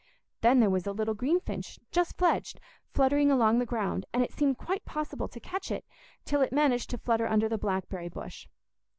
Then there was a little greenfinch, just fledged, fluttering along the ground, and it seemed quite possible to catch it, till it managed to flutter under the blackberry bush.